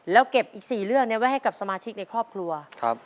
แล้วเก็บอีก๔เรื่องนี้ไว้ให้กับสมาชิกในครอบครัวครับ